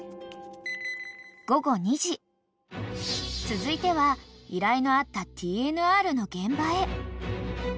［続いては依頼のあったＴＮＲの現場へ］